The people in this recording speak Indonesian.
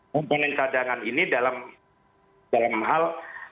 komponen cadangan ini dalam hal